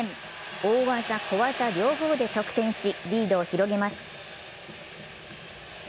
大技・小技両方で得点しリードを広げます。